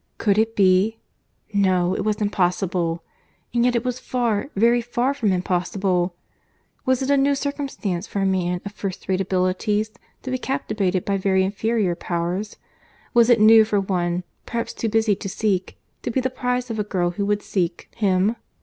—Could it be?—No; it was impossible. And yet it was far, very far, from impossible.—Was it a new circumstance for a man of first rate abilities to be captivated by very inferior powers? Was it new for one, perhaps too busy to seek, to be the prize of a girl who would seek him?